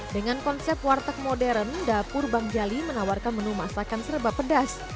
dengan konsep warteg modern dapur bang jali menawarkan menu masakan serba pedas